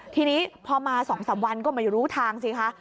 ทีนี้พอมา๒๓วันก็ไม่รู้ทางสิคะ